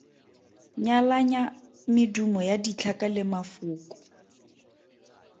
Nyalanya medumo ya ditlhaka le mafoko.